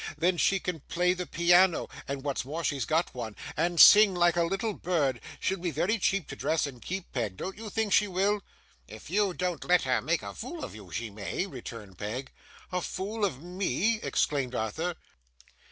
Then she can play the piano, (and, what's more, she's got one), and sing like a little bird. She'll be very cheap to dress and keep, Peg; don't you think she will?' 'If you don't let her make a fool of you, she may,' returned Peg. 'A fool of ME!' exclaimed Arthur.